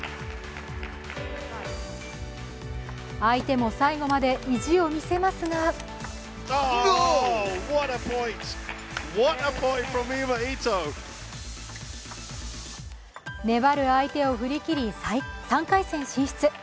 相手も最後まで意地を見せますが粘る相手を振り切り３回戦進出。